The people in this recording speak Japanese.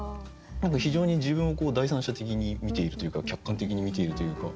非常に自分を第三者的に見ているというか客観的に見ているというか。